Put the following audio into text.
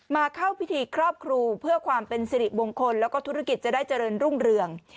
มาเข้าพิธีครอบครูเพื่อความเป็นสิริมงคลแล้วก็ธุรกิจจะได้เจริญรุ่งเรือง